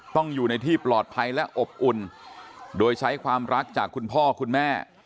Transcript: ต้องอยู่ในที่ปลอดภัยและอบอุ่นโดยใช้ความรักจากคุณพ่อคุณแม่